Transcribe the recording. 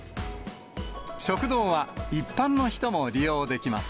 食堂は一般の人も利用できます。